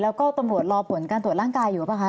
แล้วก็ตำรวจรอผลการตรวจร่างกายน์